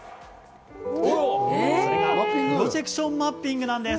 プロジェクションマッピングなんです。